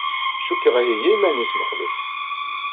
Cukkeɣ iheyya iman-is Mexluf.